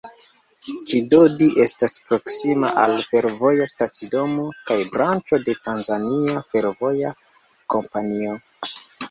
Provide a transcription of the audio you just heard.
Kidodi estas proksima al fervoja stacidomo kaj branĉo de Tanzania Fervoja Kompanio.